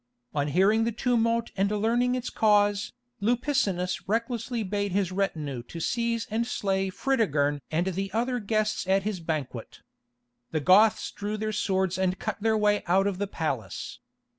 On hearing the tumult and learning its cause, Lupicinus recklessly bade his retinue seize and slay Fritigern and the other guests at his banquet. The Goths drew their swords and cut their way out of the palace.